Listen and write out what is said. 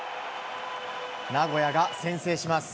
名古屋が先制します。